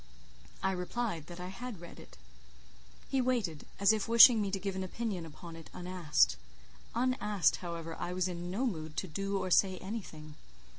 I replied that I had read it. He waited, as if wishing me to give an opinion upon it unasked. Unasked, however, I was in no mood to do or say anything.